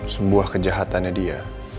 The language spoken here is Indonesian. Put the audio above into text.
sebuah kejahatannya dia